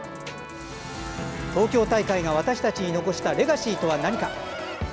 東京大会が私たちに残したレガシーとは何か。